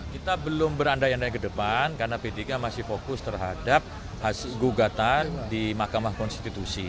kita belum berandai andai ke depan karena p tiga masih fokus terhadap gugatan di mahkamah konstitusi